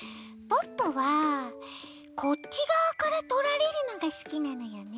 ポッポはこっちがわからとられるのがすきなのよね。